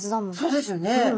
そうですよね。